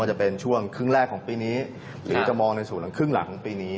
จะเป็นช่วงครึ่งแรกของปีนี้หรือจะมองในส่วนครึ่งหลังของปีนี้